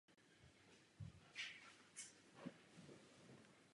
Často jsou podle ní datovány nápisy a úřední písemnosti.